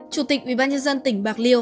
chủ tịch ubnd tỉnh bạc liêu